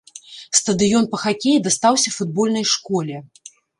Стадыён па хакеі дастаўся футбольнай школе.